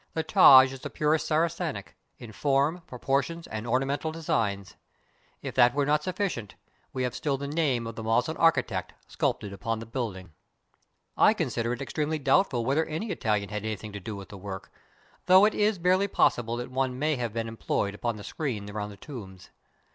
The Taj is the purest Saracenic, in form, proportions, and ornamental designs. If that were not sufficient, we have still the name of the Moslem architect, sculptured upon the building. I consider it extremely doubtful whether any Itahan had anything to do with the work, though it is barely possible that one may have been employed upon the screen around the tombs.